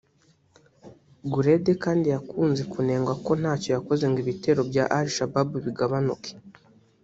Guled kandi yakunze kunengwa ko ntacyo yakoze ngo ibitero bya Al-shabaab bigabanuke